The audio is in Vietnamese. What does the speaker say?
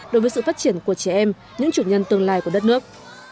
đối với sự phát triển của trẻ em những chủ nhân tương lai của đất nước